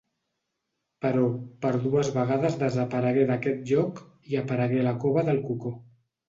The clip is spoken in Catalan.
Però, per dues vegades desaparegué d'aquest lloc i aparegué a la cova del Cocó.